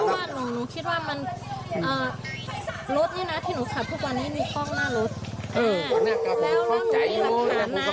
พระพี่หนูได้ยินตะโกนดำ